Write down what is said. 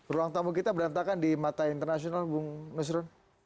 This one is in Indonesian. ruang tamu kita berantakan di mata internasional bung nusron